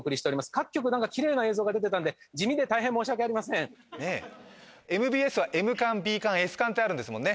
各局なんかきれいな映像が出てたんで地味で大変申し訳ありませんＭＢＳはＭ館Ｂ館Ｓ館ってあるんですもんね